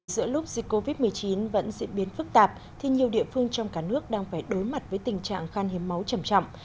giữa lúc dịch covid một mươi chín vẫn diễn biến phức tạp thì nhiều địa phương trong cả nước đang phải đối mặt với tình trạng khan hiếm máu chậm chậm